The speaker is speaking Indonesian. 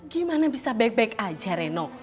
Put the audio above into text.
gimana bisa baik baik aja reno